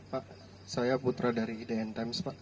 pak saya putra dari idn times pak